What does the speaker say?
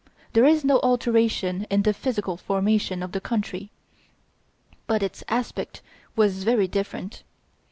There is no alteration in the physical formation of the country; but its aspect was very different.